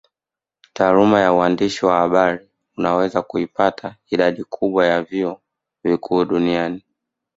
Taaluma ya uandishi wa habari unaweza kuipata idadi kubwa ya vyuo vikuu duniani